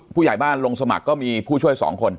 ผู้ใหญ่บ้านลงสมัครก็มีผู้ช่วย๒คน